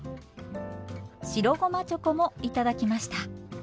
白ごまチョコも頂きました。